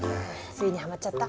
ついにハマっちゃった？